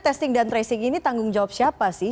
testing dan tracing ini tanggung jawab siapa sih